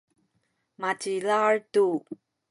macilal tu.